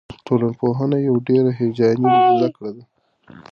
ټولنپوهنه یوه ډېره هیجاني زده کړه ده.